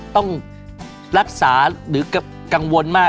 ต้องรักษาหรือกังวลมาก